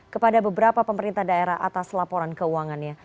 kepada beberapa pemerintah daerah atas laporan keuangannya